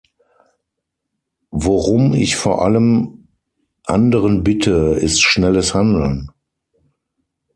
Worum ich vor allem anderen bitte, ist schnelles Handeln.